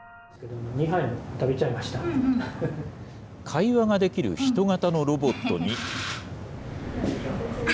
会話ができる人型のロボットに。